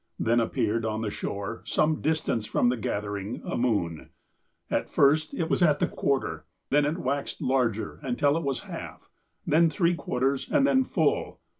Then appeared on the shore, some distance from the gathering, a moon, — at first, it was at the quarter, then it waxed larger until it was half, then three quarters, and then full.